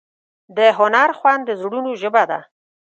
د هنر خوند د زړونو ژبه ده.